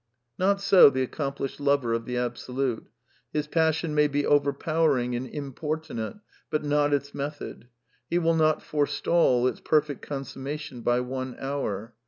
!N^ot so the accomplished lover of the Absolute. His passion may be overpowering and importunate, but not its method. He will not forestall its perfect consumma tion by one hour.